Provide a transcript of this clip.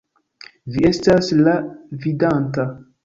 Vi estas la Vidanta!